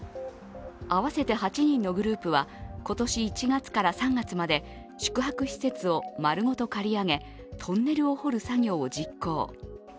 合わせて８人のグループは今年１月から３月まで宿泊施設を丸ごと借り上げ、トンネルを掘る作業を実行。